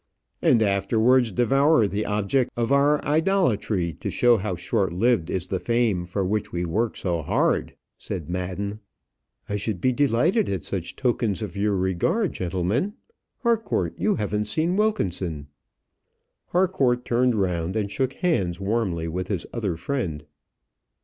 "And afterwards devour the object of our idolatry, to show how short lived is the fame for which we work so hard," said Madden. "I should be delighted at such tokens of your regard, gentlemen. Harcourt, you haven't seen Wilkinson." Harcourt turned round and shook hands warmly with his other friend.